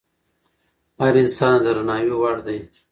هر انسان د درناوي وړ دی.